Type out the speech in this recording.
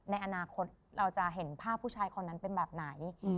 ในอนาคตเราจะเห็นภาพผู้ชายคนนั้นเป็นแบบไหน